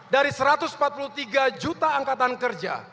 dari satu ratus empat puluh tiga juta angkatan kerja